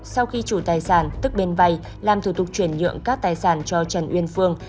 sau khi chủ tài sản tức bên vay làm thủ tục chuyển nhượng các tài sản cho trần uyên phương